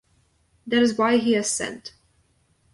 That is why he has sent.